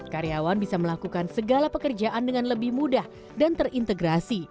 karyawan bisa melakukan segala pekerjaan dengan lebih mudah dan terintegrasi